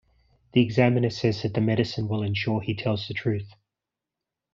The examiner says that the medicine will ensure he tells the truth.